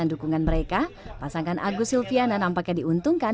dan dukungan mereka pasangan agus silviana nampaknya diuntungkan